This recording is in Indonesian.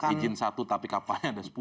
izin satu tapi kapalnya ada sepuluh